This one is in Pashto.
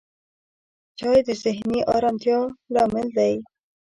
چای د ذهني آرامتیا لامل دی